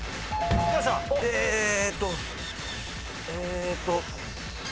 えーっとえーっと。